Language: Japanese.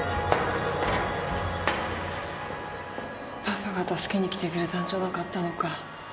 パパが助けに来てくれたんじゃなかったのか。